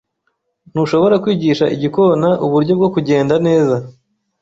Ntushobora kwigisha igikona uburyo bwo kugenda neza.